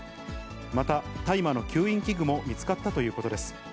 また、大麻の吸引器具も見つかったということです。